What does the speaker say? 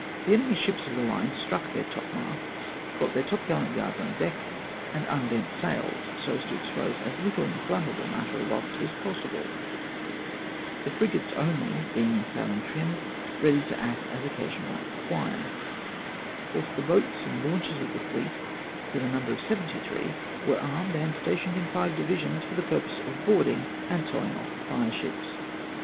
The enemy's ships of the line struck their topmasts, got their topgaUant yards on deck, and unbent sails, so as to expose as little inflammable matter aloft as pos sible ; the frigates only being left in saihng trim, ready to act as occasion might require ; whilst the boats and launches of the fleet, to the number of seventy three, were armed and stationed in five divisions for the pur pose of boarding and towing off the fireships.